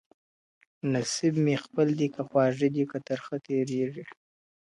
نصیب مي خپل دی که خواږه دي که ترخه تېرېږي..